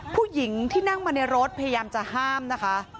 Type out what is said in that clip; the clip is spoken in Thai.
ผู้หญิงที่นั่งมาในรถพยายามจะห้ามนะคะ